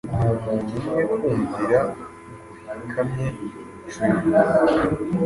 Numuntu umwe kumvira guhikamye trid